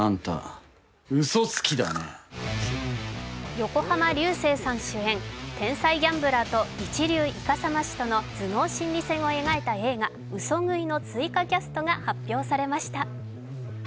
横浜流星さん主演、天才ギャンブラーと一流いかさま師との頭脳心理戦を描いた映画「嘘喰い」の追加キャストが発表されました。